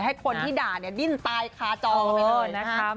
ให้คนที่ด่าดิ้นตายคาจองไปเลย